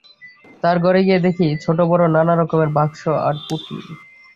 তাঁর ঘরে গিয়ে দেখি ছোটোবড়ো নানা রকমের বাক্স আর পুঁটলি।